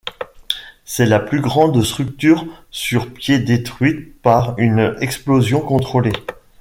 C'est la plus grande structure sur pied détruite par une explosion contrôlée.